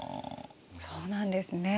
そうなんですね。